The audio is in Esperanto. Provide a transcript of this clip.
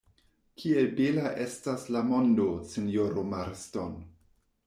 Kiel bela estas la mondo, sinjoro Marston!